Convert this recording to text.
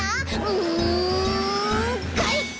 うんかいか！